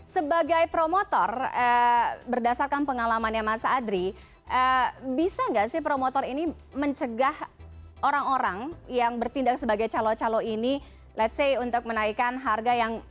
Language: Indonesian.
sebagai promotor berdasarkan pengalamannya mas adri bisa gak sih promotor ini mencegah orang orang yang bertindak sebagai calo calo ini let's say untuk menaikkan harga yang